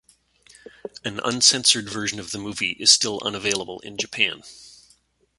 An uncensored version of the movie is still unavailable in Japan.